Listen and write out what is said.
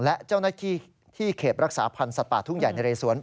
และเจ้านักที่เข็บรักษาพันธุ์สัตว์ป่าทุ่งใหญ่นะเรศวร